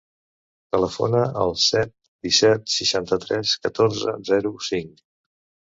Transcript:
Telefona al set, disset, seixanta-tres, catorze, zero, cinc.